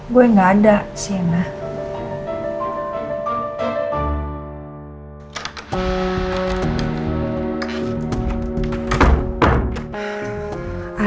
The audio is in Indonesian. gue gak ada sih mbak